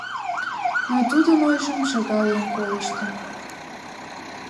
Но тудын ойжым шагал еҥ колыштын.